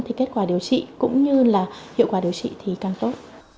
thì kết quả điều trị cũng như là hiệu quả điều trị thì càng tốt